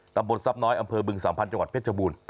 ตำบลทรัพย์น้อยอำเภอบึงสามพันธ์จังหวัดเพชรบูรณ์